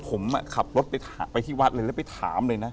ผมขับรถไปที่วัดเลยแล้วไปถามเลยนะ